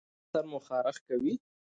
ایا سر مو خارښ کوي؟